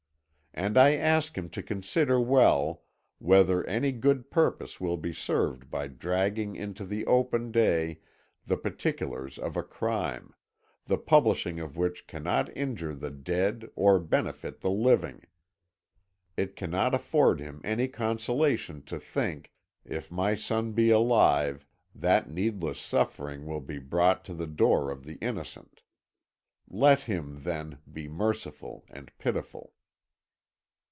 "And I ask him to consider well whether any good purpose will be served by dragging into the open day the particulars of a crime, the publishing of which cannot injure the dead or benefit the living. It cannot afford him any consolation to think, if my son be alive, that needless suffering will be brought to the door of the innocent. Let him, then, be merciful and pitiful."